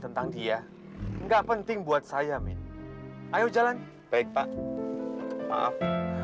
tentang dia enggak penting buat saya min ayo jalan baik pak maaf